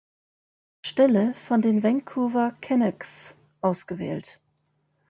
Stelle von den Vancouver Canucks ausgewählt.